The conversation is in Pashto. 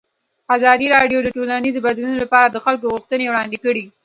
ازادي راډیو د ټولنیز بدلون لپاره د خلکو غوښتنې وړاندې کړي.